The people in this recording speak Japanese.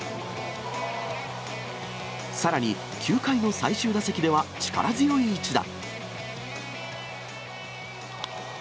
さらに９回の最終打席では力強い一打。